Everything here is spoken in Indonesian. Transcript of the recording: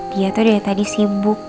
dia tuh dari tadi sibuk